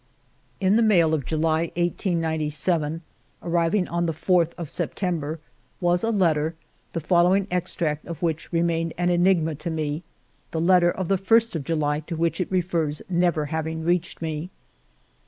In the mail of July, 1897, arriving on the 4th of September, was a letter, the following extract of which remained an enigma to me, the letter of the 1st of July to which it refers never having reached me.